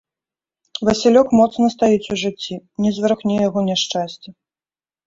Васілёк моцна стаіць у жыцці, не зварухне яго няшчасце.